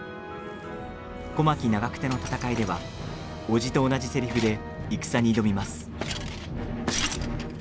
小牧・長久手の戦いでは叔父と同じせりふで戦に挑みます。